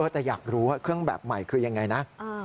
แต่อยากรู้ว่าเครื่องแบบใหม่คือยังไงนะ